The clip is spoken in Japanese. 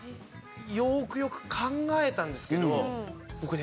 よーくよく考えたんですけど、僕ね